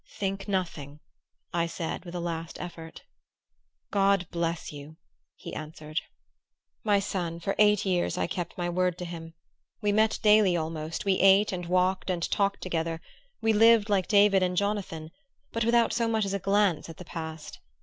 "Think nothing," I said with a last effort. "God bless you!" he answered. My son, for eight years I kept my word to him. We met daily almost, we ate and walked and talked together, we lived like David and Jonathan but without so much as a glance at the past.